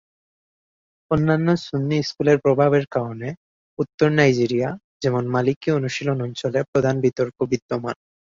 অন্যান্য সুন্নি স্কুলের প্রভাবের কারণে, উত্তর নাইজেরিয়া, যেমন মালিকি-অনুশীলন অঞ্চলে প্রধানত বিতর্ক বিদ্যমান।